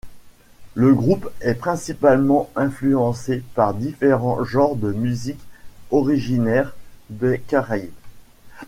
Le groupe est principalement influencé par différents genres de musiques originaires des Caraïbes.